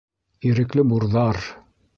— Ирекле бурҙар!